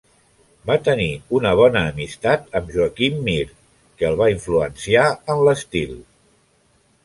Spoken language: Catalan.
Va tenir una bona amistat amb Joaquim Mir, que el va influenciar en l'estil.